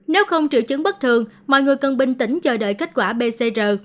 nếu không triệu chứng bất thường mọi người cần bình tĩnh chờ đợi kết quả pcr